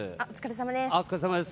お疲れさまです。